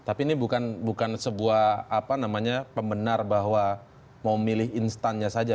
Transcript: tapi ini bukan sebuah pembenar bahwa mau milih instannya saja